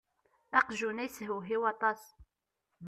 Aqjun-a yeshewhiw aṭas.